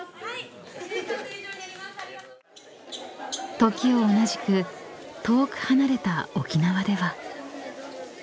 ［時を同じく遠く離れた沖縄では］